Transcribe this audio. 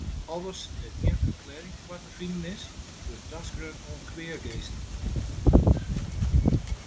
Alles dêr't gjin ferklearring foar te finen is, wurdt taskreaun oan kweageasten.